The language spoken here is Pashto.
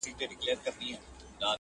څوک نیژدې نه راښکاریږي،